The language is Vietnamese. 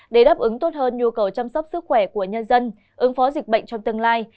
để đáp ứng tốt hơn nhu cầu chăm sóc sức khỏe của nhân dân ứng phó dịch bệnh trong tương lai